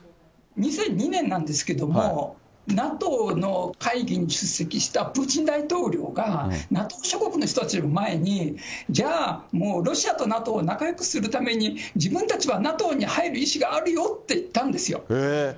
２００２年なんですけれども、ＮＡＴＯの会議に出席したプーチン大統領が、ＮＡＴＯ諸国の人たちを前にじゃあもう、ロシアとＮＡＴＯ、仲よくするために、自分たちはＮＡＴＯに入る意思があるよって言ったんですよ。